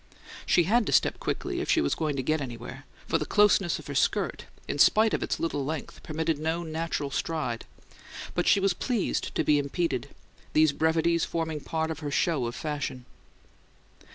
She had to step quickly if she was to get anywhere; for the closeness of her skirt, in spite of its little length, permitted no natural stride; but she was pleased to be impeded, these brevities forming part of her show of fashion.